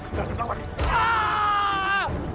kamu harus berani lawan